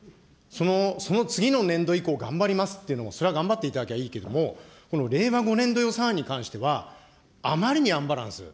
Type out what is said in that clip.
その次の年度以降、頑張りますっていうのも、それは頑張っていただければいいけど、この令和５年度予算案に関しては、あまりにアンバランス。